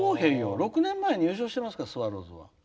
６年前に優勝してますからスワローズは。